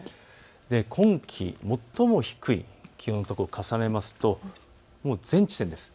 今季最も低い気温のところを重ねますと、全地点です。